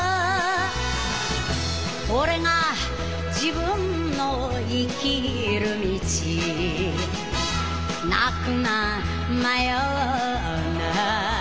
「これが自分の生きる道」「泣くな迷うな」